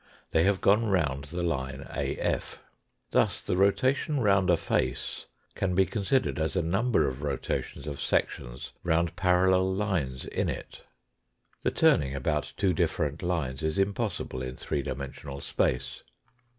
They have gone round the line AF. Thus the rotation round a face can be considered as a number of rotations of sections round parallel lines in it. The turning about two different lines is impossible in three dimensional space.